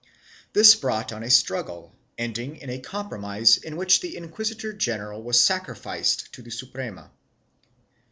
2 This brought on a struggle, ending in a compromise in which the inquisitor general was sacrificed to the Suprema.